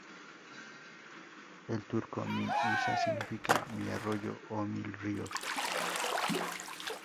En turco, "Min Usa" significa "mi arroyo" o "mil ríos".